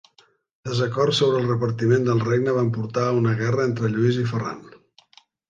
Desacords sobre el repartiment del regne van portar a una guerra entre Lluís i Ferran.